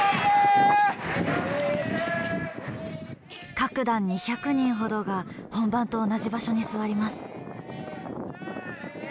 各団２００人ほどが本番と同じ場所に座ります。